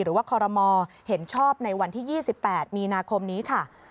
คอรมอเห็นชอบในวันที่๒๘มีนาคมนี้ค่ะ